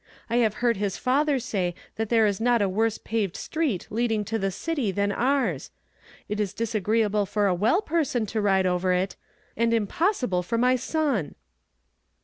I have hoard his father say that there is not a worse paved street leading to the city than ours. It is disagreeable for a well per son to ride over it, and impossible for my son."